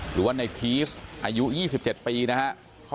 หรือว่าในพีชอายุ๒๗ปีนะครับ